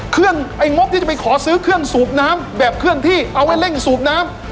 ไอ้งบที่จะไปขอซื้อเครื่องสูบน้ำแบบเคลื่อนที่เอาไว้เร่งสูบน้ำ